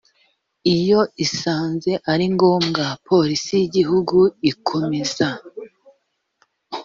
iyo isanze ari ngombwa polisi y igihugu ikomeza